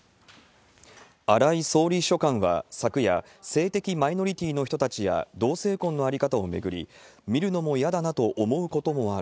荒井総理秘書官は昨夜、性的マイノリティの人たちや同性婚の在り方を巡り、見るのも嫌だなと思うこともある。